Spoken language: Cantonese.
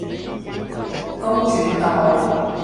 公主道